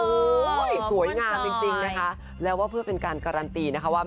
โอ้โหสวยงามจริงนะคะแล้วว่าเพื่อเป็นการการันตีนะคะว่า